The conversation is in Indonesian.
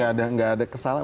karena nggak ada kesalahan